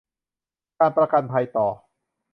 การประกันภัยต่อ